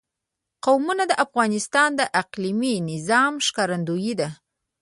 قومونه د افغانستان د اقلیمي نظام ښکارندوی ده.